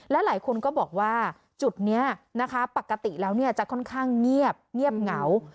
และหลายคนก็บอกว่าจุดนี้นะคะปกติแล้วจะค่อนข้างเงียบเหงา